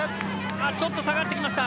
あちょっと下がってきました。